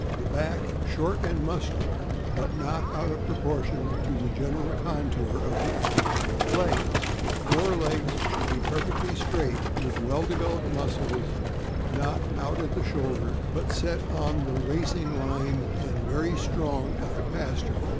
— The back short and muscular, but not out of pro portion to the general contour of the animal. Legs. — The fore legs should be perfectly straight, with well developed muscles ; not " out at shoulder," but set on the racing lines, and very strong at the pastern.